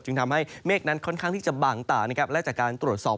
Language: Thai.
ทำให้เมฆนั้นค่อนข้างที่จะบางตานะครับและจากการตรวจสอบ